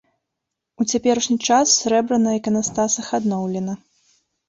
У цяперашні час срэбра на іканастасах адноўлена.